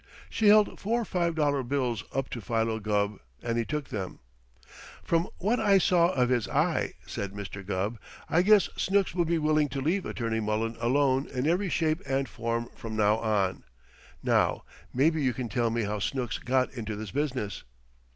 She held four five dollar bills up to Philo Gubb, and he took them. "From what I saw of his eye," said Mr. Gubb, "I guess Snooks will be willing to leave Attorney Mullen alone in every shape and form from now on. Now, maybe you can tell me how Snooks got into this business."